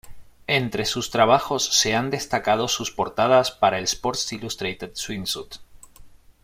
Entre sus trabajos se han destacado sus portadas para el "Sports Illustrated Swimsuit.